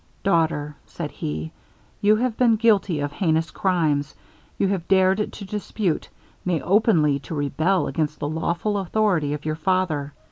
'Daughter,' said he, 'you have been guilty of heinous crimes. You have dared to dispute nay openly to rebel, against the lawful authority of your father.